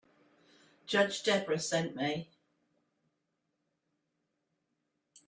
Judge Debra sent me.